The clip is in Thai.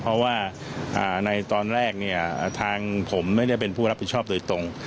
เพราะว่าในตอนแรกเนี่ยทางผมไม่ได้เป็นผู้รับผิดชอบโดยตรง